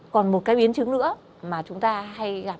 còn một cái biến chứng nữa mà chúng ta hay gặp